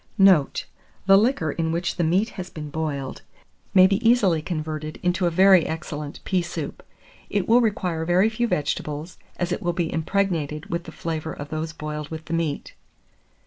Note. The liquor in which the meat has been boiled may be easily converted into a very excellent pea soup. It will require very few vegetables, as it will be impregnated with the flavour of those boiled with the meat.